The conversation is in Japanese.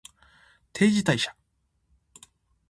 定時退社